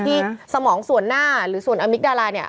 สมองส่วนหน้าหรือส่วนอมิตดาราเนี่ย